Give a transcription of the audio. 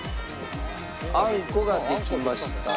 あんこができました。